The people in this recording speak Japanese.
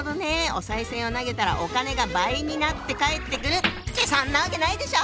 お賽銭を投げたらお金が倍になって返ってくるってそんなわけないでしょ！